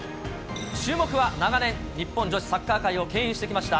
注目は長年、日本女子サッカー界をけん引してきました